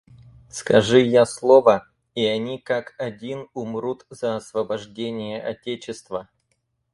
Скажи я слово и они как один умрут за освобождение отечества.